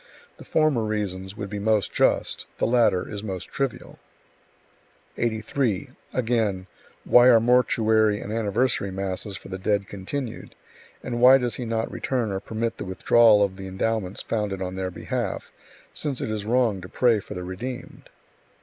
The former reasons would be most just; the latter is most trivial." 83. Again: "Why are mortuary and anniversary masses for the dead continued, and why does he not return or permit the withdrawal of the endowments founded on their behalf, since it is wrong to pray for the redeemed?"